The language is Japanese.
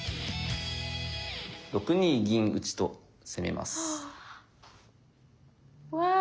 ６二銀打と攻めます。